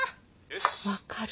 分かる。